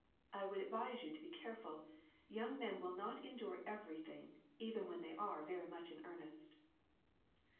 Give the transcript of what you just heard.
I would advise you to be careful. Young men will not endure everything, even when they are very much in earnest."